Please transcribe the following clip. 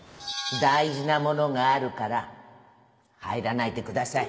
大事なものがあるから入らないでください。